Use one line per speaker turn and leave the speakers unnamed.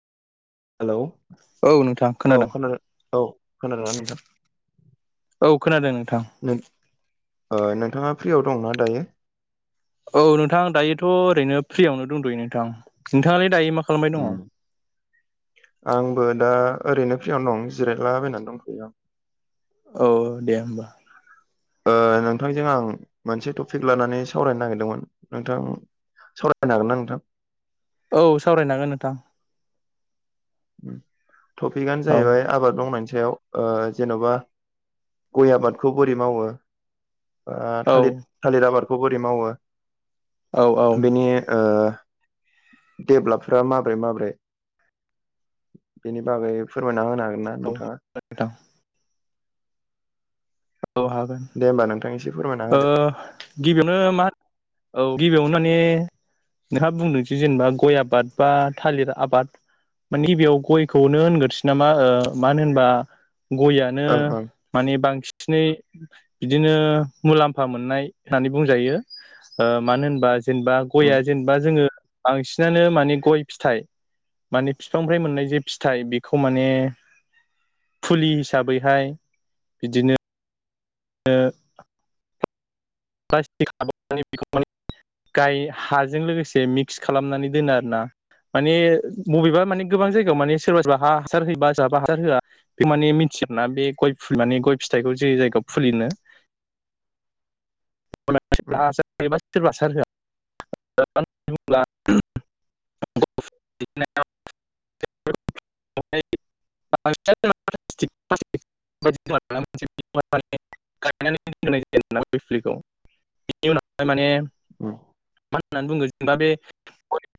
Hello
औ नोंथां
औ
खोनादों
औ खोनादोंना नोंथां
औ खोनादों नोंथां
नोंथाङा फ्रियाव दंनाा दायो
औ नोंथां दायोथ' ओरैनो फ्रियावनो दंद'यो नोंथां नोंथाङालाय दायो मा खालामबाय दङ
आंबो दा ओरैनो फ्रियावनो दं जिरायलाबायनानै दंफैयो आं
औ दे होमबा
ओ नोंथांजों आं मोनसे टपिक लानानै सावरायनो नागिरदोंमोन नोंथां सावरायनो हागोन ना नोंथां?
औ सावरायनांगोन नोंथां
टपिकआनो
औ
जाहैबाय आबाद मावनायनि सायाव जेन'बा गय आबादखौ बोरै मावो
औ
थालिर थालिर आबादखौ बोरै मावो
औ औ
बेनि देभेलपफोरा माबोरै माबोरै बेनि बागै फोरमायना होनो हागोन ना नोंथाङा
औथां औ हागोन
दे होमबा नोंथां एसे फोरमायना होदो
गिबियावनो मा औ गिबियावनो माने नोंहा बुंदोंस जेनेबा गय आबाद बा थालिर आबाद माने गिबियाव गयखौनो होनग्रोसै नामा मानो होनबा गआ ानो
ओं ओं
माने बांसिनै बिदिनो मुलाम्फा मोननाय होननानै बुंजायो मानो होनबा जेनेबा
उम
गया जेनेबा जोङो बांसिनानो माने गय फिथाइ माने बिफांनि मोननाय जे फिथाइ बेखौ माने फुलि हिसाबैहाय बिदिनो द [unintelligible] गाय हाजों लोगोसे मिक्स खालामनानै दोनो आरो ना माने बबेबा माने गोबां जायगायाव माने सोरबा सोरबा हा हासार होयोबा सोरहाबा हासार होआ बे माने मिथियोना बे गय माने गय फिथाइखौ जे जायगायाव फुलिनो
उम
एबा सोरबाास होआ दि [unintelligible] [unintelligible] फफलिखौ बिनि उनावहाय माने
औ
मा होननानै बुङो जेनेबा बे